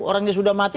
orangnya sudah mati